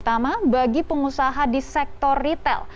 terutama bagi pengusaha di sektor retail